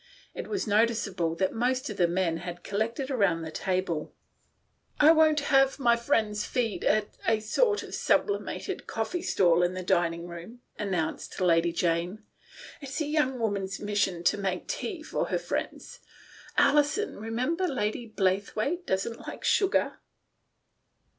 It was noticeable that most of the men had collected round the tea 96 THE 8T0RY OF A MODERN WOMAN. table. " I won't have my friends fed at a sort of sublimated coffee stall in the dining room," announced Lady Jane. "It's a young woman's mission to make tea for her friends. Alison, remember Lady Blaythewaite doesn't like sugar."